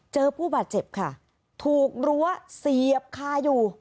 ผู้บาดเจ็บค่ะถูกรั้วเสียบคาอยู่